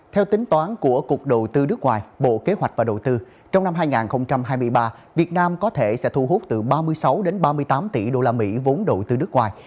theo tính toán của cục đầu tư nước ngoài bộ kế hoạch và đầu tư trong năm hai nghìn hai mươi ba việt nam có thể sẽ thu hút từ ba mươi sáu ba mươi tám tỷ usd vốn đầu tư nước ngoài